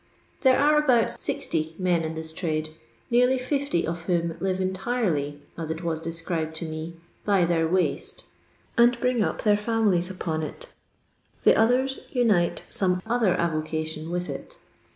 There arc about 60 men in this trade, nearly 50 of whom live entirely, as it was described to me, " by their waste," and bring up their fiimilies upon it. The others unite some other avocation with it.